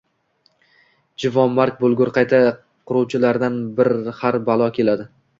Juvonmarg bo‘lgur qayta quruvchilardan har balo keladi».